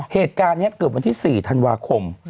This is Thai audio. เหตุการณ์นี้เกิดวันที่๔ธันวาคม